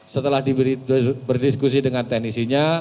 setelah berdiskusi dengan teknisinya